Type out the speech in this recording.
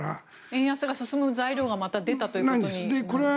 円安が進む材料がまた出たということに。